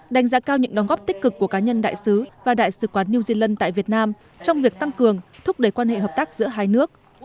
đánh giá cao những đóng góp tích cực của cá nhân đại sứ và đại sứ quán new zealand tại việt nam trong việc tăng cường thúc đẩy quan hệ hợp tác giữa hai nước